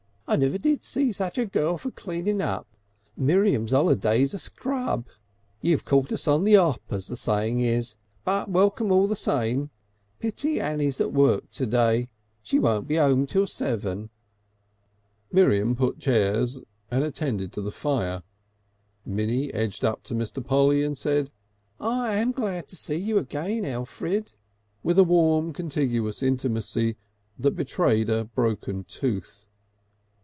I never did see such a girl for cleanin' up. Miriam's 'oliday's a scrub. You've caught us on the 'Op as the sayin' is, but Welcome all the same. Pity Annie's at work to day; she won't be 'ome till seven." Miriam put chairs and attended to the fire, Minnie edged up to Mr. Polly and said: "I am glad to see you again, Elfrid," with a warm contiguous intimacy that betrayed a broken tooth.